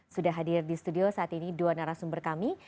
sudah hadir di studio saat ini dua narasumber kami